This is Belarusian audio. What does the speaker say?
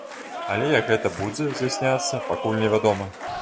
Але як гэта будзе здзяйсняцца, пакуль невядома.